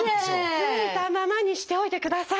付いたままにしておいてください。